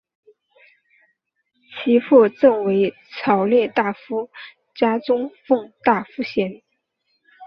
其父赠为朝列大夫加中奉大夫衔。